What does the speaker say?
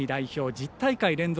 １０大会連続